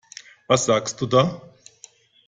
Was sagst du da?